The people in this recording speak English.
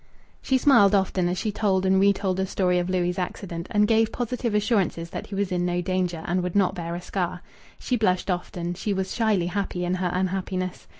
She smiled often as she told and retold the story of Louis' accident, and gave positive assurances that he was in no danger, and would not bear a scar. She blushed often. She was shyly happy in her unhappiness.